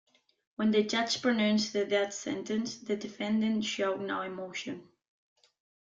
When the judge pronounced the death sentence, the defendant showed no emotion.